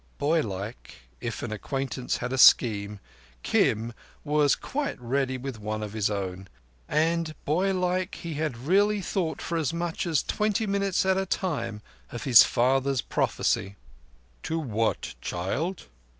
Boylike, if an acquaintance had a scheme, Kim was quite ready with one of his own; and, boylike, he had really thought for as much as twenty minutes at a time of his father's prophecy. "To what, child?"